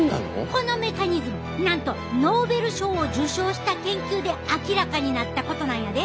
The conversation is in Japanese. このメカニズムなんとノーベル賞を受賞した研究で明らかになったことなんやで！